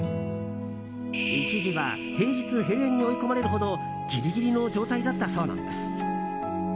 一時は平日閉園に追い込まれるほどぎりぎりの状態だったそうなんです。